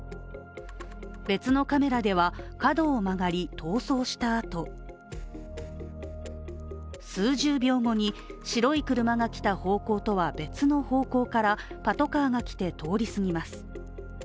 別のカメラでは、角を曲がり逃走したあと、数十秒後に白い車が来た方向とは別の方向からパトカーが来て、通り過ぎます。